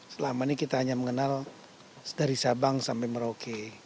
selama ini kita hanya mengenal dari sabang sampai merauke